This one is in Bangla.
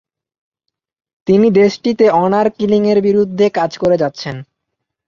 তিনি দেশটিতে অনার কিলিং এর বিরুদ্ধে কাজ করে যাচ্ছেন।